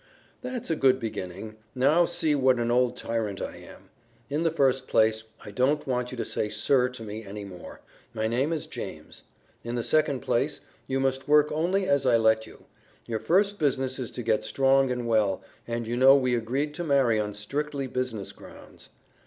"That's a good beginning. Now see what an old tyrant I am. In the first place, I don't want you to say 'sir' to me any more. My name is James. In the second place, you must work only as I let you. Your first business is to get strong and well, and you know we agreed to marry on strictly business grounds."